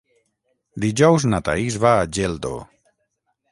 Dijous na Thaís va a Geldo.